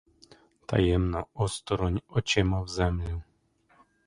Таємно, осторонь, очима в землю.